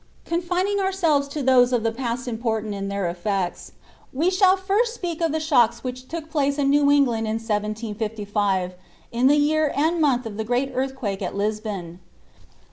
Confining ourselves to those of the past important in their effects, we shall first speak of the shocks which took place in New England in 1755, in the year and month of the great earthquake at Lisbon.